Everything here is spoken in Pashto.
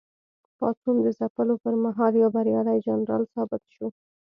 پاڅون د ځپلو پر مهال یو بریالی جنرال ثابت شو.